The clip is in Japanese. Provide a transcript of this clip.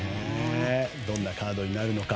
どんなカードになるのか